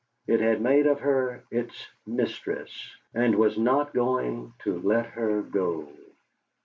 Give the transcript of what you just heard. It had made of her its mistress, and was not going to let her go.